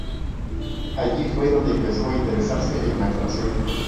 Allí fue donde empezó a interesarse en la actuación.